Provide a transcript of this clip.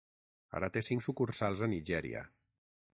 Ara té cinc sucursals a Nigèria.